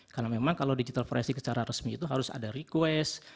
karena memang kalau digital forensik secara resmi itu harus ada request